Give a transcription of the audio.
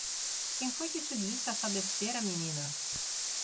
Quem foi que te disse essa besteira menina?